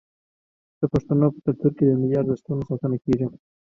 د پښتنو په کلتور کې د ملي ارزښتونو ساتنه کیږي.